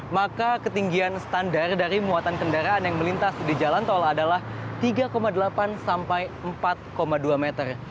maka ketinggian standar dari muatan kendaraan yang melintas di jalan tol adalah tiga delapan sampai empat dua meter